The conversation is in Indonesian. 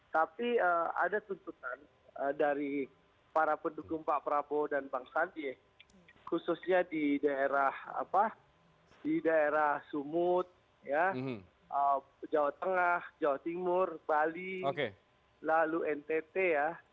tapi ada tuntutan dari para pendukung pak prabowo dan bang sandi khususnya di daerah sumut jawa tengah jawa timur bali lalu ntt ya